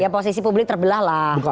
posisi publik terbelah lah